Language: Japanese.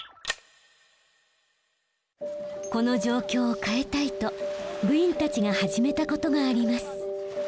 この状況を変えたいと部員たちが始めたことがあります。